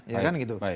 ya kan gitu